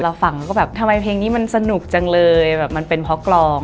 เราฟังก็แบบทำไมเพลงนี้มันสนุกจังเลยมันเป็นเพราะกลอง